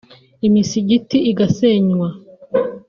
imisigiti igasenywa